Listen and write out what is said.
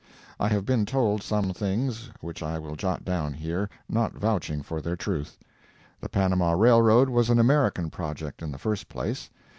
I have been told some things which I will jot down here, not vouching for their truth. The Panama railroad was an American project, in the first place.